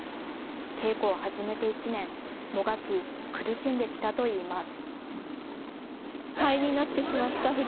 稽古を始めて１年、もがき苦しんできたといいます。